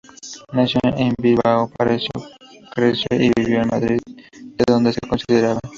Nació en Bilbao, pero creció y vivió en Madrid, de donde se consideraba.